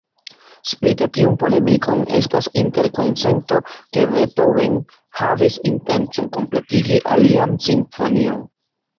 Spite tiun polemikon, estas interkonsento ke Beethoven havis intencon kompletigi alian simfonion.